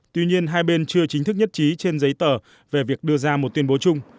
tuy nhiên hai bên chưa chính thức nhất trí trên giấy tờ về việc đưa ra một tuyên bố chung